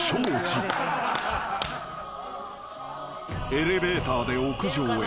［エレベーターで屋上へ］